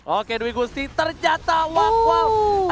oke dwi gusti terjatah